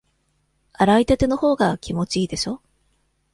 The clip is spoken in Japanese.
洗いたてのほうが気持ちいいでしょ？